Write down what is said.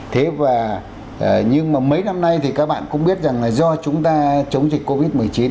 thế và nhưng mà mấy năm nay thì các bạn cũng biết rằng là do chúng ta chống dịch covid một mươi chín